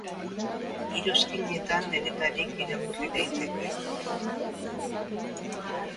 Iruzkinetan denetarik irakurri daiteke.